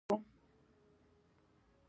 اصل قبلولو معنا مطالعه نه کوو.